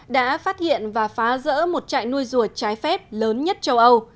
đã phát hiện và phá rỡ một trại nuôi ruồi trái phép lớn nhất châu âu